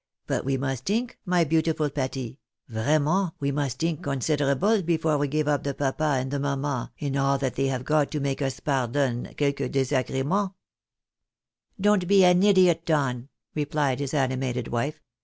But we must tink, my beautiful Pati, vraiment, we must tink considerable before we give up the papa and the mamma and all that they have got to make us pardon quelques desagremens." " Don't be an idiot, Don," replied his animated wife.